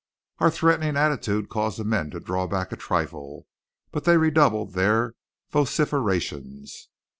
Our threatening attitude caused the men to draw back a trifle; but they redoubled their vociferations.